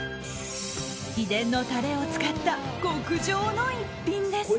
秘伝のたれを使った極上の逸品です。